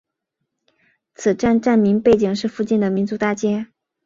此站站名背景是附近的民族大街。